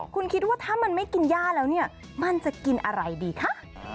คุณคิดว่าถ้ามันไม่กินย่าแล้วเนี่ยมันจะกินอะไรดีคะ